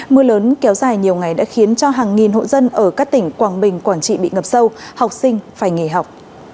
mưa lớn kéo dài nhiều ngày đã khiến cho hàng nghìn hộ dân ở các tỉnh quảng bình quảng trị bị ngập sâu học sinh phải nghỉ học